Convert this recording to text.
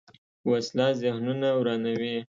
وسله ذهنونه ورانوي